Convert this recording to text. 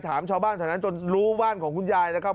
ถามชาวบ้านตอนนั้นจนรู้ห้านของคุณยาย